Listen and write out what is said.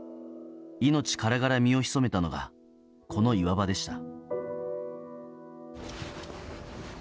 命からがら身をひそめたのがこの岩場でした。